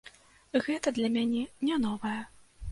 Гэта для мяне не новае.